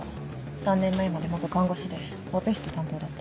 ３年前まで看護師でオペ室担当だった。